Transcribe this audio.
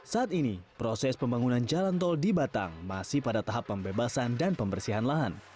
saat ini proses pembangunan jalan tol di batang masih pada tahap pembebasan dan pembersihan lahan